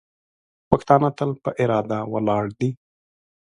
پښتانه تل په اراده ولاړ دي.